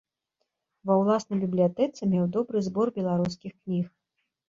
Ва ўласнай бібліятэцы меў добры збор беларускіх кніг.